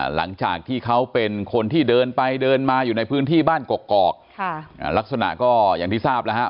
หลังจากที่เขาเป็นคนที่เดินไปเดินมาอยู่ในพื้นที่บ้านกกอกลักษณะก็อย่างที่ทราบแล้วฮะ